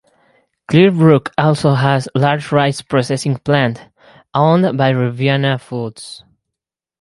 Clearbrook also has large rice processing plant, owned by Riviana Foods.